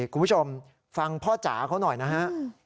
คุณผู้ชมฟังพ่อจ๋าเขาหน่อยนะฮะ